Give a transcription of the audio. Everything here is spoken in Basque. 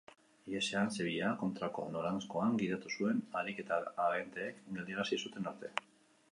Ihesean zebilela kontrako noranzkoan gidatu zuen, harik eta agenteek geldiarazi zuten arte.